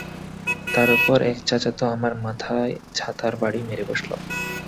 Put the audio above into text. তার উপর এক চাচা তো, আমার মাথায় ছাতার বাড়ি মেরে বসল।